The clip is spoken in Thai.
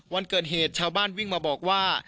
วันเกิดเหตุชาวบ้านวิ่งมาบอกว่า